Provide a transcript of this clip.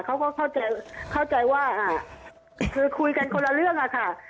เขาก็เข้าใจเข้าใจว่าคือคุยกันคนละเรื่องอะค่ะ